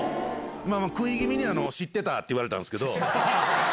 食い気味に知ってたって言われたんですけど。